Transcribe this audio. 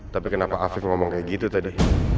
tapi kenapa afif ngomong kayak gitu tadi